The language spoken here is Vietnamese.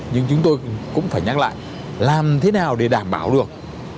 nhưng chúng tôi cũng phải nhắc lại làm thế nào để đảm bảo được